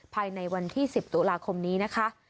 ภายในวันที่๑๐ตุลาคมนี้นะคะ